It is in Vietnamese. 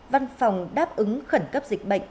văn phòng đáp ứng khẩn cấp dịch bệnh